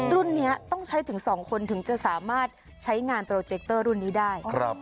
รุ่นนี้ต้องใช้ถึง๒คนถึงจะสามารถใช้งานโปรเจคเตอร์รุ่นนี้ได้